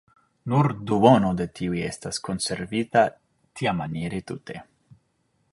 Nur duono de tiuj estas konservita tiamaniere tute.